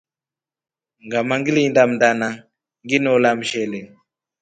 Ngama ngilinda mndana nginola mshele.